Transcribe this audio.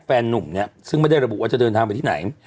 นุ่มเนี่ยซึ่งไม่ได้ระบุว่าจะเดินทางไปที่ไหน